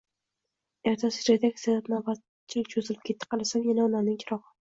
Ertasiga redaksiyada navbatchilik cho'zilib ketdi. Qarasam, yana onamning chirog'i